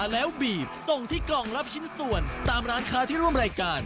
แล้วก็ก็ต้องทำตามกติกาจังนี้ครับ